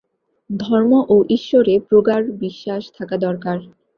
ধর্ম ও ঈশ্বরে প্রগাঢ় বিশ্বাস থাকা দরকার।